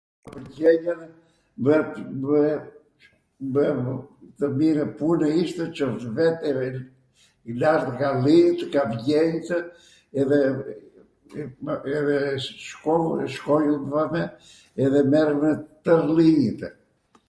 vjenjwn, bwhen tw mirw punw ishtw qw vete larg nga llinjtw, nga vgjenjtw edhe shkojmw edhe merwmw twrw llinjtw